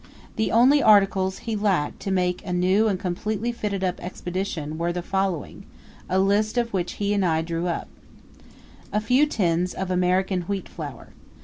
The only articles he lacked to make a new and completely fitted up expedition were the following, a list of which he and I drew up; A few tins of American wheat flour.